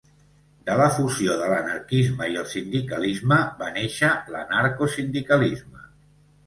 De la fusió de l'anarquisme i el sindicalisme va néixer l'anarcosindicalisme.